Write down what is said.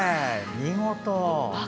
見事！